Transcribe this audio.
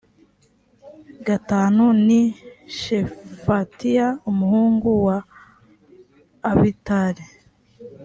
gatanu ni shefatiya umuhungu wa abitali